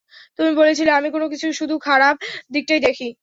তুমি বলেছিলে আমি কোনো কিছুর শুধু খারাপ দিকটাই দেখি।